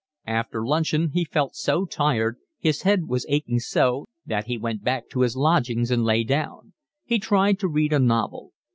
After luncheon he felt so tired, his head was aching so, that he went back to his lodgings and lay down; he tried to read a novel.